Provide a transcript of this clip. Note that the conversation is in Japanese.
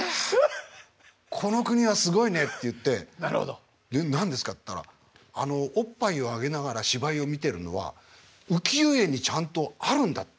この国はすごいね」って言って「何ですか？」って言ったらおっぱいをあげながら芝居を見てるのは浮世絵にちゃんとあるんだって。